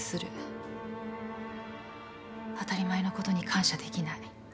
当たり前のことに感謝できない。